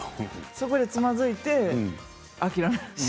そこでつまずいて諦めます。